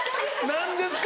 何ですか？